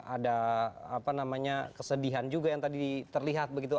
ada apa namanya kesedihan juga yang tadi terlihat begitu